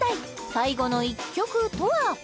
最後の一曲とは？